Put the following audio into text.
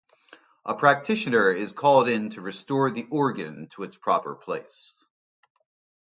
A practitioner is called in to restore the organ to its proper place.